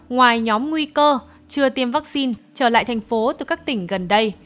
ngoài nhóm nguy cơ chưa tiêm vaccine trở lại thành phố từ các tỉnh gần đây